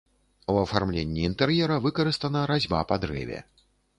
У афармленні інтэр'ера выкарыстана разьба па дрэве.